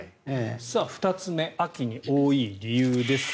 ２つ目秋に多い理由です。